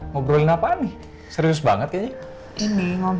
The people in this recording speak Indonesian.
ngobrolin apaan nih serius banget kayaknya ini